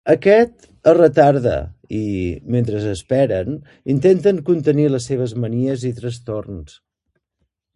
Aquest es retarda i, mentre esperen, intenten contenir les seves manies i trastorns.